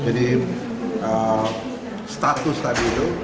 sakit belum menggunakan sistem elektronik rekamedik